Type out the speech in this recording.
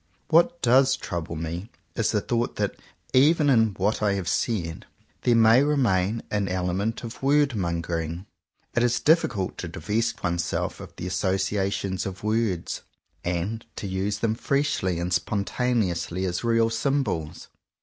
What does trouble me is the thought that, even in what I have said, there may remain an element of word mongering. It is so difficult to divest oneself of the associations of words, and to 145 CONFESSIONS OF TWO BROTHERS use them freshly and spontaneously as real symbols.